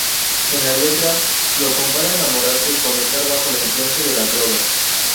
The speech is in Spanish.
En la letra, Lo compara enamorarse con estar bajo la influencia de las drogas.